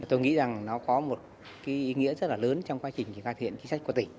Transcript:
tôi nghĩ rằng nó có một ý nghĩa rất là lớn trong quá trình triển khai thiện chính sách của tỉnh